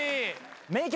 『名曲！